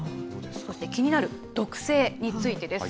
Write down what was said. そして気になる毒性についてです。